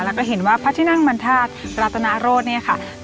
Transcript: แล้วก็เห็นว่าพระที่นั่งมันธาตุรัตนาโรธเนี่ยค่ะ